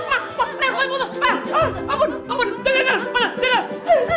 ampun ampun jangan jangan mana jangan